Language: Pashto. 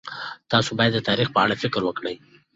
تاسو باید د تاریخ په اړه فکر وکړئ.